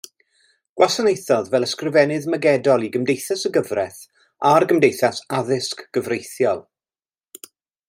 Gwasanaethodd fel ysgrifennydd mygedol i Gymdeithas y Gyfraith a'r Gymdeithas Addysg Gyfreithiol.